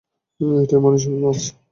একটা মানুষরূপী মাছ!